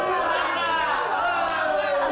jangan c forums nanti emang